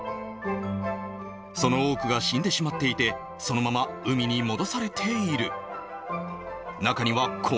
その多くが死んでしまっていて、そのまま海に戻されている。